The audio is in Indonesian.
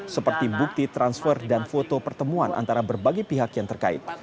seperti bukti transfer dan foto pertemuan antara berbagai pihak yang terkait